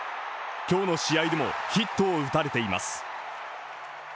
今日の試合でもヒットを打たれています。